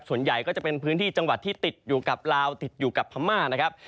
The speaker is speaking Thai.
ส่วนใหญ่ก็จะเป็นพื้นที่จังหวัดที่ติดอยู่กับลาวติดอยู่กับพม่านะครับ